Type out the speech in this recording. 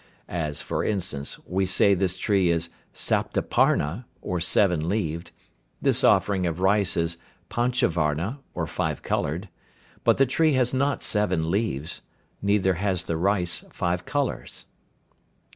As, for instance, we say this tree is "Saptaparna," or seven leaved, this offering of rice is "Panchavarna," or five coloured, but the tree has not seven leaves, neither has the rice five colours.